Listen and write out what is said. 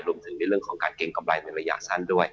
รวมถึงในเรื่องของการเกรงกำไรในระยะสั้นด้วย